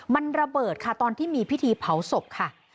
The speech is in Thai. มันระเบิดค่ะตอนที่มีพิธีเผาศพค่ะ